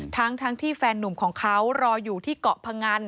ทั้งที่แฟนหนุ่มของเขารออยู่ที่เกาะพงัน